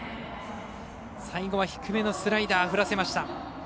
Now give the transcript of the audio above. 最後は低めのスライダーを振らせました。